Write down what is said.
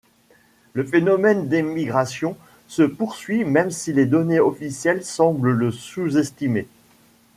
Le phénomène d’émigration se poursuit même si les données officielles semblent le sous-estimer.